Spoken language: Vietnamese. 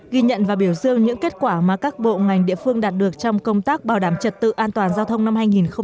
ghi nhận và biểu dương những kết quả mà các bộ ngành địa phương đạt được trong công tác bảo đảm trật tự an toàn giao thông năm hai nghìn hai mươi